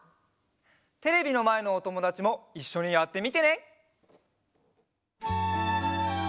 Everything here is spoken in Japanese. テレビのまえのおともだちもいっしょにやってみてね！